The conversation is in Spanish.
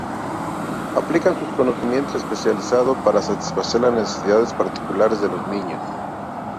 Aplican su conocimiento especializado para satisfacer las necesidades particulares de los niños.